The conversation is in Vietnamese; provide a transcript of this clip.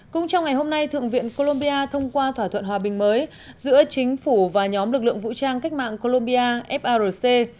cũng trong ngày hôm nay thượng viện colombia thông qua thỏa thuận hòa bình mới giữa chính phủ và nhóm lực lượng vũ trang cách mạng colombia frc